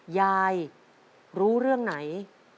ยายรู้เรื่องไหน